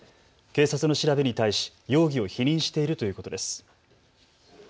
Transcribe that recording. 警察の調べに対し容疑を否認しているということです。